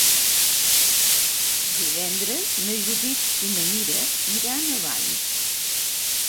Divendres na Judit i na Mira iran a Valls.